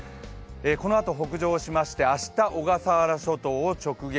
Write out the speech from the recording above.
このあと北上しまして、明日、小笠原諸島を直撃。